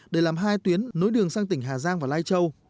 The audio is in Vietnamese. để làm hai tuyến nối đường sang tỉnh hà giang và lai châu